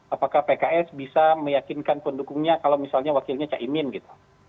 apakah pks bisa meyakinkan pendukungnya kalau misalnya wakilnya caimin gitu